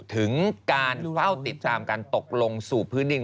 ถึงการเฝ้าติดตามการตกลงสู่พื้นดิน